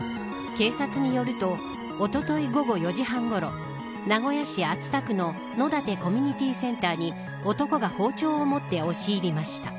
警察によるとおととい午後４時半ごろ名古屋市熱田区の野立コミュニティセンターに男が包丁を持って押し入りました。